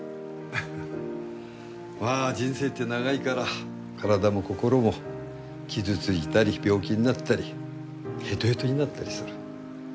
まあ人生って長いから体も心も傷ついたり病気になったりヘトヘトになったりする。